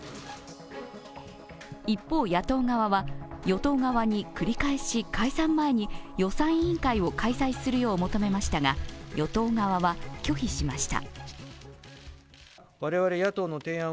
一方、野党側は与党側に繰り返し解散前に予算委員会を開催するよう求めましたが与党側は拒否しました。